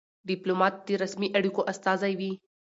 ډيپلومات د رسمي اړیکو استازی وي.